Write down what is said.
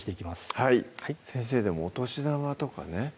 はい先生でもお年玉とかね